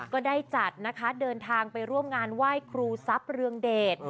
ก็ได้จัดนะคะเดินทางไปร่วมงานไหว้ครูทรัพย์เรืองเดช